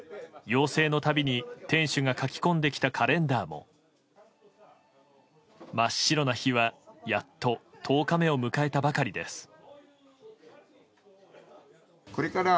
要請の度に店主が書き込んできたカレンダーも真っ白な日は、やっと１０日目を迎えたばかりです。